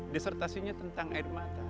disertasinya tentang air mata